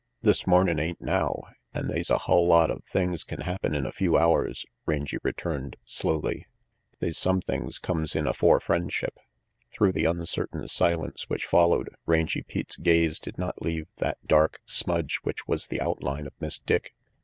"This mornin' ain't now, an' they's a hull lot of things can happen in a few hours," Rangy returned slowly. "They's some things conies in afore friend ship." Through the uncertain silence which followed, Rangy Pete's gaze did not leave that dark smudge which was the outline of Miss Dick.